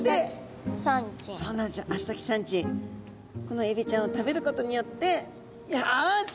このエビちゃんを食べることによってよし！